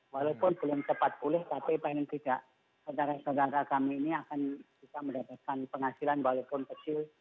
walaupun belum cepat pulih tapi paling tidak saudara saudara kami ini akan bisa mendapatkan penghasilan walaupun kecil